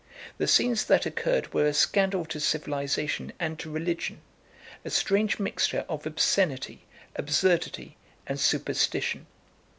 The scenes that occurred were a scandal to civilisation and to religion a strange mixture of obscenity, absurdity, and superstition.